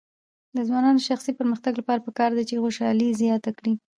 د ځوانانو د شخصي پرمختګ لپاره پکار ده چې خوشحالي زیاته کړي.